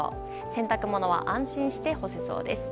洗濯物は安心して干せそうです。